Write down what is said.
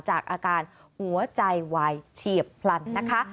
จากอาการหัวใจวายเฉียบพลันนะคะ